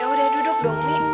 ya udah duduk dong